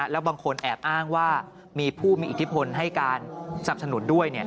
แล้วบางคนแอบอ้างว่ามีผู้มีอิทธิพลให้การสับสนุนด้วยเนี่ย